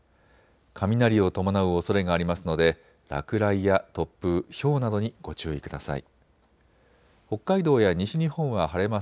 雷を伴うおそれがありますので落雷や突風、ひょうなどにご注意ください。